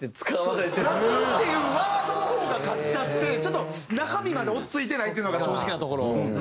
「ラ・ムー」っていうワードの方が勝っちゃって中身まで追っ付いてないっていうのが正直なところ。